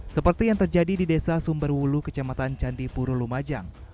seperti yang terjadi di desa sumberwulu kecamatan candipuro lumajang